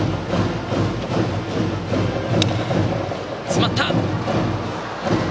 詰まった！